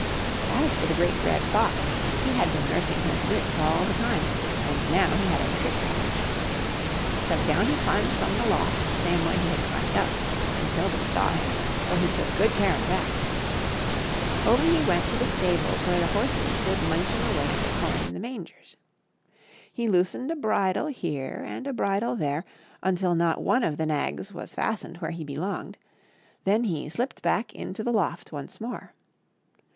As for the Great Red Fox, he had been nursing his wits all the time, and now he had a trick hatched. So down he climbed from the loft the 8o COUSIN GREYLEGS AND GRANDFATHER MOLE. same way he had climbed up ; and nobody saw him, for he took good care of that. Over he went to the stables where the horses stood munching away at the com in the mangers. He loosened a bridle here and a bridle there until not one of the nags was fastened where he belonged ; then he slipped back into the loft once more.